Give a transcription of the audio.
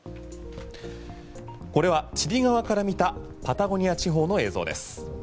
これはチリ側から見たパタゴニア地方の映像です。